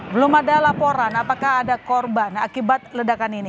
belum ada laporan apakah ada korban akibat ledakan ini